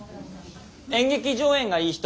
「演劇上演」がいい人。